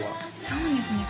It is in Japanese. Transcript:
そうですね